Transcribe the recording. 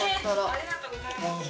ありがとうございます。